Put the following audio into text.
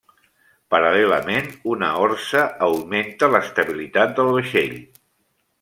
Paral·lelament una orsa augmenta l'estabilitat del vaixell.